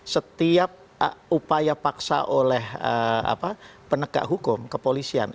setiap upaya paksa oleh penegak hukum kepolisian